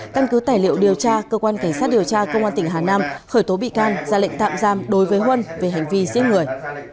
căn cứ tài liệu điều tra cơ quan cảnh sát điều tra công an tỉnh hà nam khởi tố bị can ra lệnh tạm giam đối với huân về hành vi giết người